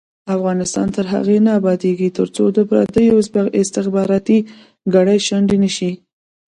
افغانستان تر هغو نه ابادیږي، ترڅو د پردیو استخباراتي کړۍ شنډې نشي.